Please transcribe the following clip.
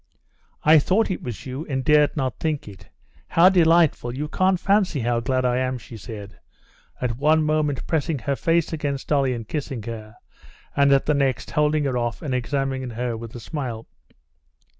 "I thought it was you and dared not think it. How delightful! You can't fancy how glad I am!" she said, at one moment pressing her face against Dolly and kissing her, and at the next holding her off and examining her with a smile.